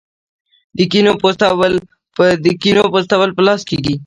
د کینو پوستول په لاس کیږي.